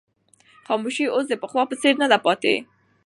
خاموشي اوس د پخوا په څېر نه ده پاتې.